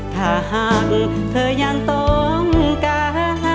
ถ้าหากเธอยังต้องการ